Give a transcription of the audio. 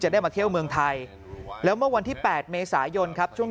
ได้มาเที่ยวเมืองไทยแล้วเมื่อวันที่๘เมษายนครับช่วง